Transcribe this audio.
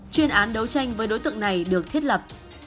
chuyên án đấu tranh với đối tượng này được thiết lập